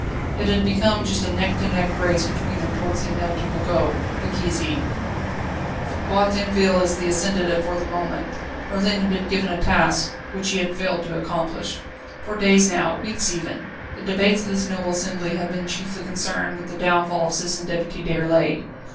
It had become just a neck to neck race between them towards the inevitable goal the guillotine. Foucquier Tinville is in the ascendant for the moment. Merlin had been given a task which he had failed to accomplish. For days now, weeks even, the debates of this noble assembly had been chiefly concerned with the downfall of Citizen Deputy Déroulède.